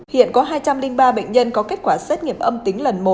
hiện có hai trăm linh ba bệnh nhân có kết quả xét nghiệm âm tính lần một